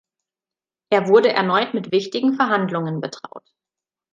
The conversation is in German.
Er wurde erneut mit wichtigen Verhandlungen betraut.